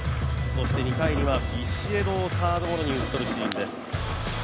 そして２回にはビシエドをサードゴロに打ち取るシーンです。